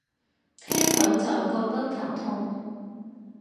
聽到就覺得頭痛